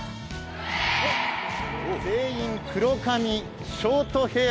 全員、黒髪、ショートヘア。